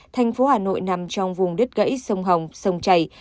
thành phố hà nội nằm trong vùng đất gãy sông hồng sông chảy